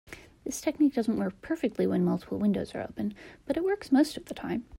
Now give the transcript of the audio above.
This technique doesn't work perfectly when multiple windows are open, but it works most of the time.